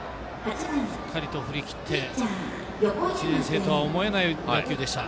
しっかりと振り切って１年生とは思えない打球でした。